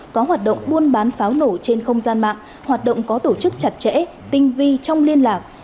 có hoạt động buôn bán pháo nổ trên không gian mạng hoạt động có tổ chức chặt chẽ tinh vi trong liên lạc